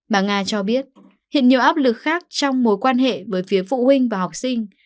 bà nga cho biết hiện nhiều áp lực khác trong mối quan hệ với phía phụ huynh và học sinh